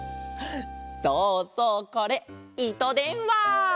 そうそうこれいとでんわ！